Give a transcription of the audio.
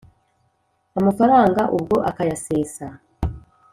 amafaranga ubwo ukayasesa